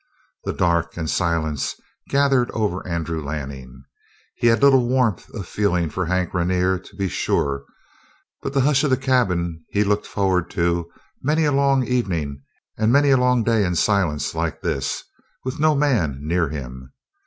The dark and silence gathered over Andrew Lanning. He had little warmth of feeling for Hank Rainer, to be sure, but the hush of the cabin he looked forward to many a long evening and many a long day in a silence like this, with no man near him.